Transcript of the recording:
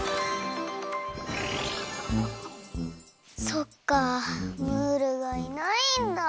そっかムールがいないんだ。